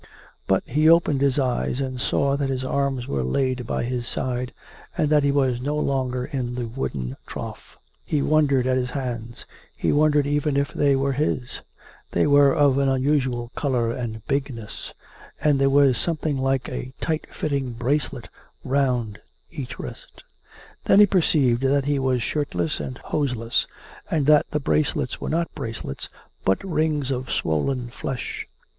But he opened his eyes and saw that his arms were laid by his side; and that he was no longe" in the wooden trough. He wondered at his hands; he wondered even if they were his ... they were of an un usual colour and bigness ; and there was something like a tight fitting bracelet round each wrist. Then he perceived that he was shirtless and hoseless; and that the bracelets were not bracelets, but rings of swollen flesh.